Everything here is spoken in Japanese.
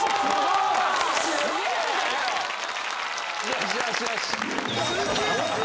よしよしよしよし